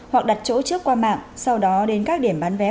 hoặc đặt chỗ trước qua mạng sau đó đến các điểm bán vé